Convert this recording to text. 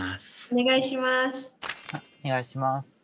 お願いします。